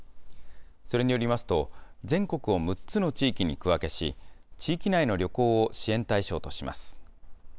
それによりますと、全国を６つの地域に区分けし、地域内の旅行を支援対象とします。